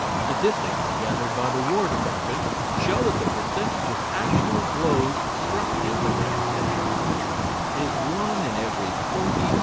Statistics gathered by the War Department show that the percentage of actual blows struck in grandstand arguments is one in every 43,000,000.